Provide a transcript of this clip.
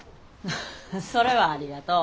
ハッそれはありがとう。